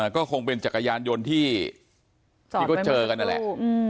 ก็คงเป็นจักรยานยนต์ที่ก็เจอกันนั่นแหละ